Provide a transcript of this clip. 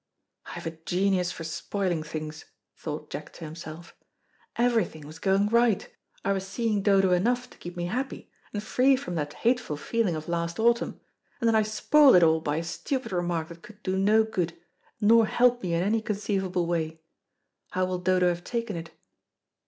"I have a genius for spoiling things," thought Jack to himself. "Everything was going right; I was seeing Dodo enough to keep me happy, and free from that hateful feeling of last autumn, and then I spoilt it all by a stupid remark that could do no good, nor help me in any conceivable way. How will Dodo have taken it?"